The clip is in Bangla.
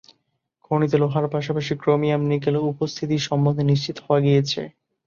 খনিতে লোহার পাশাপাশি ক্রোমিয়াম, নিকেল উপস্থিতি সম্বন্ধে নিশ্চিত হওয়া গিয়েছে।